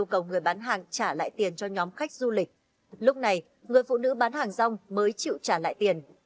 cô nữ bán hàng rong mới chịu trả lại tiền